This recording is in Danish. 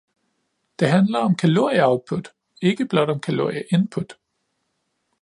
Det handler om kalorieoutput, ikke blot om kalorieinput.